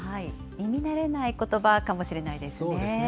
耳慣れないことばかもしれないですね。